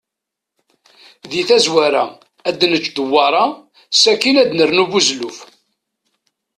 Di tazwara, ad nečč dewwaṛa, sakin ad nernu buzelluf.